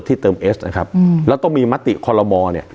ที่เติมเอสนะครับอืมแล้วต้องมีมติคอลโลมอล์เนี้ย